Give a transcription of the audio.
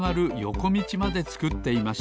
こみちまでつくっていました